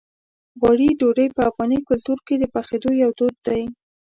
غوړي ډوډۍ په افغاني کلتور کې د پخېدو یو دود دی.